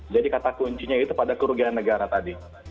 jadi kata kuncinya itu pada kerugian negara tadi